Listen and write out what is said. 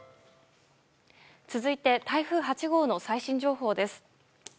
続いて台風８号の最新情報です。